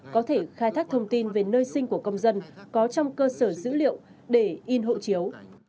có thể khai thác thông tin về nơi sinh của công dân có trong cơ sở dữ liệu để in hộ chiếu